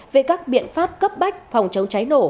về các biện pháp cấp bách phòng chống cháy nổ